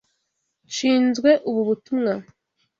Nshinzwe ubu butumwa.